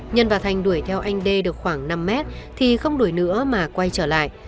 nhân và thành đuổi theo anh đê được khoảng năm mét thì không đuổi nữa mà quay trở lại